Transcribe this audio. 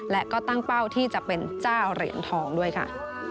และก็ตั้งเป้าที่จะเป็นเจ้าเหรียญทองด้วยค่ะ